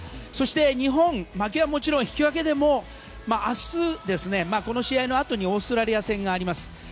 そして日本、負けはもちろん引き分けでも明日、この試合のあとにオーストラリア戦があります。